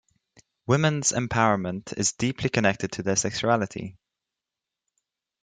Women's empowerment is deeply connected to their sexuality.